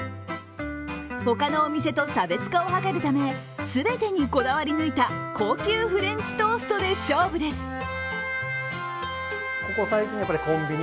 他のお店と差別化を図るため全てにこだわり抜いた高級フレンチトーストで勝負です。